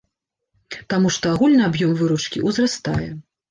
Таму што агульны аб'ём выручкі ўзрастае.